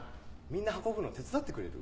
みんな運ぶのを手伝ってくれる？